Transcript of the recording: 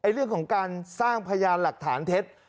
เรื่องของการสร้างพยานหลักฐานเท็จ